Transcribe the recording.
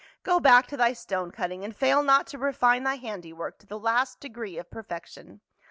Go back to thy stone cutting, and fail not to refine thy handiwork to the last degree of perfection.